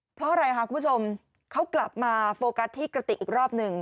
เพราะอะไรค่ะคุณผู้ชมเขากลับมาโฟกัสที่กระติกอีกรอบหนึ่ง